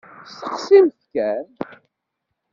Steqsimt kan!